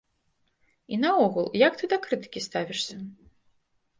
І наогул, як ты да крытыкі ставішся?